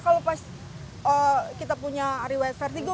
kalau pas kita punya riwayat vertigo